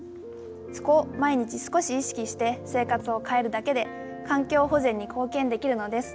そこを毎日少し意識して生活を変えるだけで環境保全に貢献できるのです。